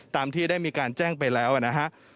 ตามที่ได้มีการแจ้งไปแล้วนะฮะ